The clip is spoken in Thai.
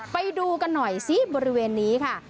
ไปดูกันหน่อยซิบริเวณนี้ค่ะ